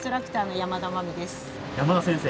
「山田先生」